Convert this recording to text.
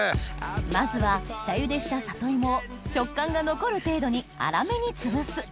まずは下ゆでした里芋を食感が残る程度に粗めにつぶす